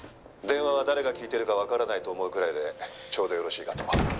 「電話は誰が聞いてるかわからないと思うくらいでちょうどよろしいかと」